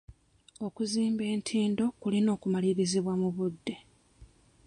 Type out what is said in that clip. Okuzimba entindo kulina okumalirizibwa mu budde.